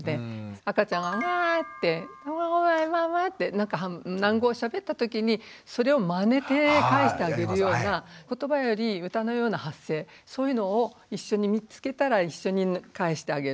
赤ちゃんが「ウァ」って「ゴェゴェウァウァ」ってなんか喃語をしゃべったときにそれをまねて返してあげるような言葉より歌のような発声そういうのを一緒に見つけたら一緒に返してあげる。